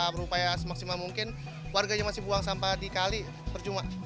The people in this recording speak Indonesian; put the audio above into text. berupaya semaksimal mungkin warganya masih buang sampah dikali perjumlah